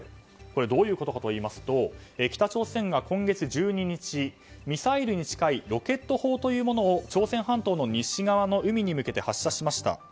どういうことかといいますと北朝鮮が今月１２日、ミサイルに近いロケット砲というものを朝鮮半島の西側の海に向かって発射しました。